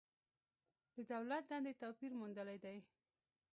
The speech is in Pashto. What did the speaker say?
د دولت دندې توپیر موندلی دی.